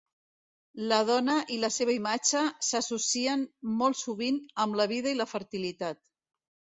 La dona i la seva imatge s'associen molt sovint amb la vida i la fertilitat.